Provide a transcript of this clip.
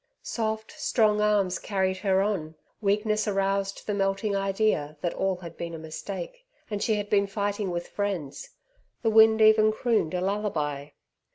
Soft, strong arms carried her on. Weakness aroused the melting idea that all had been a mistake, and she had been fighting with friends. The wind even crooned a lullaby.